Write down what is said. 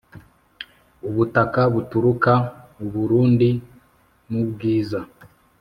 u butaka buturuka uburundi nubwiza